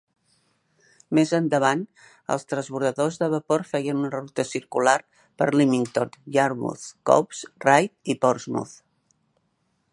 Més endavant, els transbordadors de vapor feien una ruta circular per Lymington, Yarmouth, Cowes, Ryde y Portsmouth.